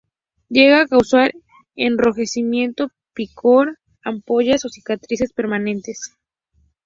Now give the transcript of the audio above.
Llega a causar enrojecimiento, picor, ampollas o cicatrices permanentes.